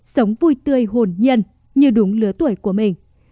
sống vui tươi hồn nhiên như đúng lứa tuổi của mình